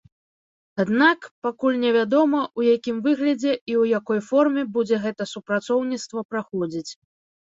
Аднак, пакуль невядома, у якім выглядзе і ў якой форме будзе гэтае супрацоўніцтва праходзіць.